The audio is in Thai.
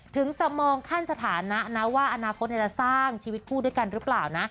ถึงจะมองขั้นสถานะนะว่าอนาคตจะสร้างชีวิตคู่ด้วยกันหรือเปล่านะ